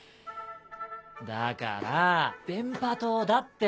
だから電波塔だって。